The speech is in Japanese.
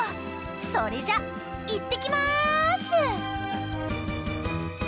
それじゃあいってきます！